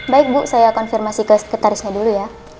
baik bu saya konfirmasi ke sekretarisnya dulu ya